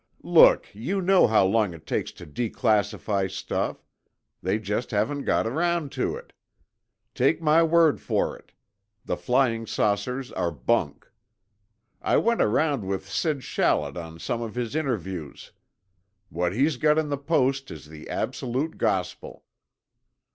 "Look, you know how long it takes to declassify stuff. They just haven't got around to it. Take my word for it, the flying saucers are bunk. I went around with Sid Shallett on some of his interviews. What he's got in the Post is the absolute gospel."